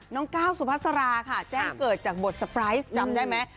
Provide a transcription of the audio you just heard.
น้องก้าวสุภาษาค่ะแจ้งเกิดจากบทสปรายซ์จำได้ไหม